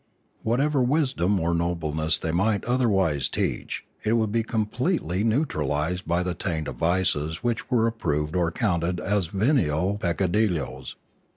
Whatever wisdom or noble ness they might otherwise teach, it would be completely neutralised by the taint of vices which were approved or counted as venial peccadilloes.